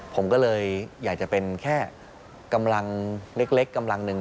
ผมก็เลยอยากจะเป็นแค่กำลังเล็กกำลังหนึ่ง